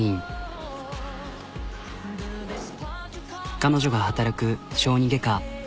彼女が働く小児外科。